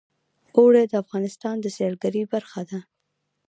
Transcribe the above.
اوړي د افغانستان د سیلګرۍ برخه ده.